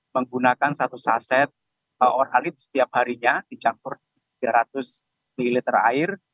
menggunakan satu saset orhalid setiap harinya dicampur tiga ratus ml air